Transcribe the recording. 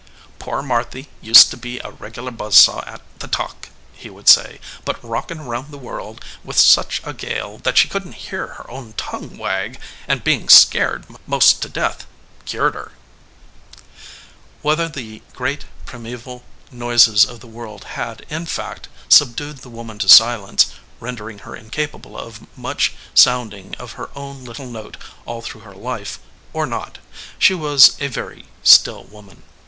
"Poor Marthy used to be a regular buzz saw at the talk," he would say, "but rockin round the world with such a gale that she couldn t hear her own tongue wag, and bein scared most to death, cured her." 130 THE OUTSIDE OF THE HOUSE Whether the great, primeval noises of the world had, in fact, subdued the woman to silence, render ing her incapable of much sounding of her own little note all through her life, or not, she was a very still woman.